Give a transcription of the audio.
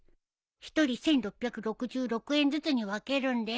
１人１，６６６円ずつに分けるんです！